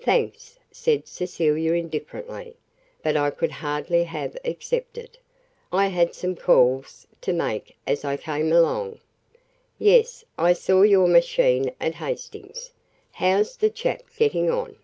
"Thanks," said Cecilia indifferently. "But I could hardly have accepted. I had some calls to, make as I came along." "Yes, I saw your machine at Hastings. How's the chap getting on?"